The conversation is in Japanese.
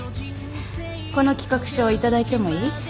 この企画書頂いてもいい？